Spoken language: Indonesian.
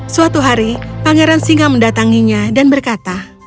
suatu hari pangeran singa mendatanginya dan berkata